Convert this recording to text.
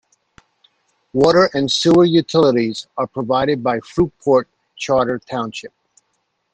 Water and sewer utilities are provided by Fruitport Charter Township.